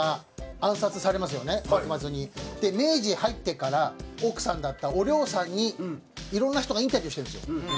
明治に入ってから奥さんだったおりょうさんにいろんな人がインタビューしてるんですよ。